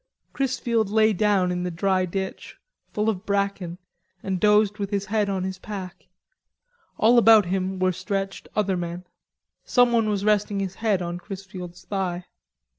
Chrisfield lay down in the dry ditch, full of bracken, and dozed with his head on his pack. All about him were stretched other men. Someone was resting his head on Chrisfield's thigh.